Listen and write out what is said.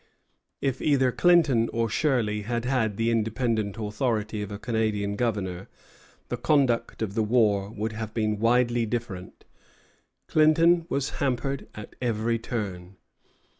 If either Clinton or Shirley had had the independent authority of a Canadian governor, the conduct of the war would have been widely different. Clinton was hampered at every turn.